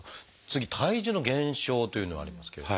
次「体重の減少」というのがありますけど。